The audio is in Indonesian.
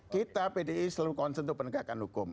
kita pdi selalu konsentuh penegakan hukum